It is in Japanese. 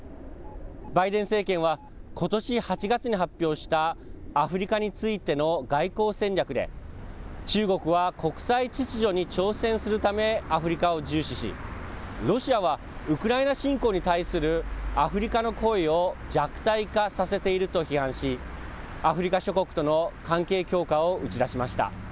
バイデン政権は、ことし８月に発表したアフリカについての外交戦略で、中国は国際秩序に挑戦するため、アフリカを重視し、ロシアは、ウクライナ侵攻に対するアフリカの声を弱体化させていると批判し、アフリカ諸国との関係強化を打ち出しました。